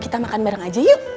kita makan bareng aja yuk